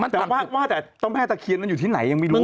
แต่ว่าเท่าไม่จะเกลียดแล้วอยู่ที่ไหนยังไม่รู้